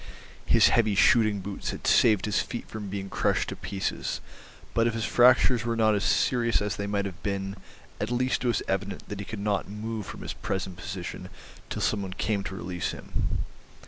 His heavy shooting boots had saved his feet from being crushed to pieces, but if his fractures were not as serious as they might have been, at least it was evident that he could not move from his present position till some one came to release him.